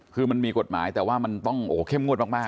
คือมันมีกฎหมายแต่ว่ามันต้องโอ้โหเข้มงวดมาก